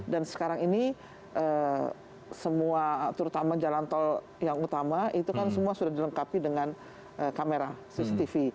dan sekarang ini semua terutama jalan tol yang utama itu kan semua sudah dilengkapi dengan kamera cctv